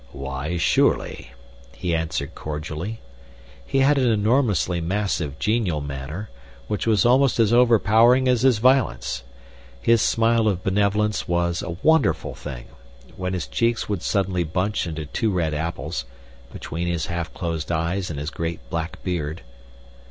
"Why, surely," he answered, cordially. He had an enormously massive genial manner, which was almost as overpowering as his violence. His smile of benevolence was a wonderful thing, when his cheeks would suddenly bunch into two red apples, between his half closed eyes and his great black beard.